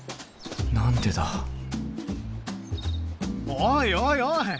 おいおいおい！